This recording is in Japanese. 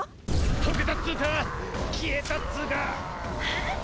解けたっつうか消えたっつうか！へ？？